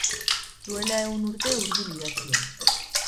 Duela ehun urte hurbil idatzia.